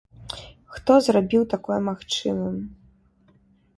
Хто зрабіў такое магчымым?